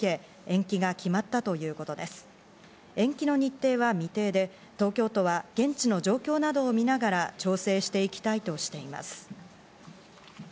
延期の日程は未定で、東京都は現地の状況などを見ながら調整していきたいとしています。